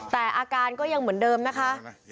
แต่อาการก็ยังเหมือนเดิมนะคะ